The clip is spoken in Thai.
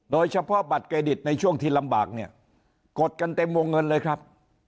เฉพาะบัตรเครดิตในช่วงที่ลำบากเนี่ยกดกันเต็มวงเงินเลยครับ